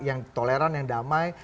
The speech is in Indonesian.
yang toleran yang damai